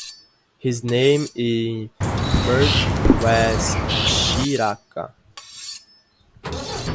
His name in birth was "Shiraka".